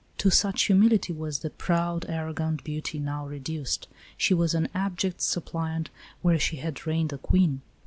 To such humility was the proud, arrogant beauty now reduced. She was an abject suppliant where she had reigned a Queen.